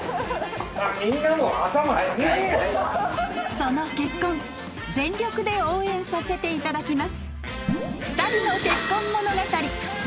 その結婚全力で応援させていただきます。